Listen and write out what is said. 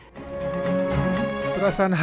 perasaan haru bercampur banget